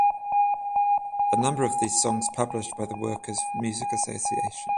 A number of these songs published by the Workers Music Association.